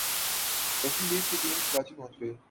waste Indies کی team Karachi پہنچ گئی